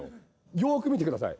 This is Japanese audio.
よーく見てください。